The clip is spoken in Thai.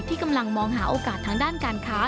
กำลังมองหาโอกาสทางด้านการค้า